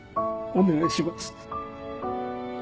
お願いします。